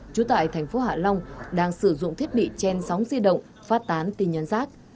trú tại thành phố hạ long đang sử dụng thiết bị chen sóng di động phát tán tin nhắn rác